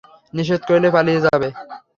নিষেধ করলে, পালিয়ে যাবে।